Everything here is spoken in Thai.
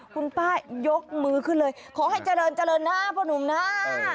คุณป้ายกมือขึ้นเลยขอให้เจริญนะเพราะหนุ่มน่า